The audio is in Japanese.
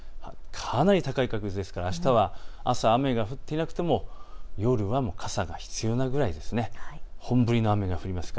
かなり高い確率ですから、あしたは朝、雨が降っていなくても夜は傘が必要になります。